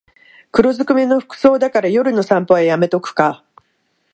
黒ずくめの服装だから夜の散歩はやめとくか